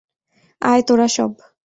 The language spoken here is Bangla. আয় তোরা সব।